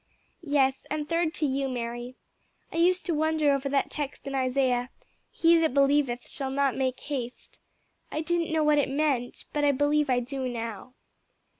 "Yes, and third to you, Mary. I used to wonder over that text in Isaiah 'He that believeth shall not make haste.' I didn't know what it meant, but I believe I do now."